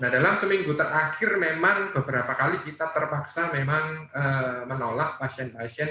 dalam seminggu terakhir memang beberapa kali kita terpaksa memang menolak pasien pasien